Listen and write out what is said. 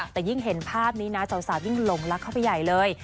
แต่ยิ่งเห็นภาพนี้นะสาวยิ่งหลงรักเข้าไปใหญ่เลย